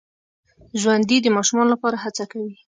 ژوندي د ماشومانو لپاره هڅه کوي